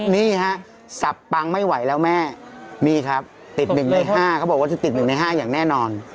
นี่ฮะสับปังไม่ไหวแล้วแม่นี่ครับติด๑ใน๕เขาบอกว่าจะติด๑ใน๕อย่างแน่นอน